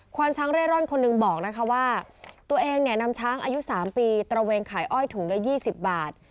ความช้างเร่ร่อนคนหนึ่งบอกนะคะว่าตัวเองเนี่ยนำช้างอายุ๓ปีตระเวนขายอ้อยถุงละ๒๐บาท